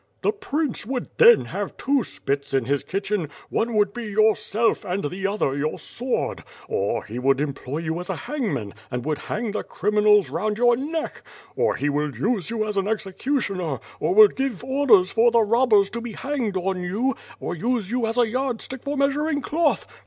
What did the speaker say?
"The Prince would then have two spits in his kitchen; one would be yourself, and the other your sword. Or, he would employ you as hangman, and would hang the criminals round your neck. Or he will use you as an executioner, or will give orders for the robbers to be hanged on you, or use you as a yard stick for measuring cloth.